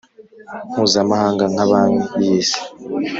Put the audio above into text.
mpuzamahanga nka Banki y Isi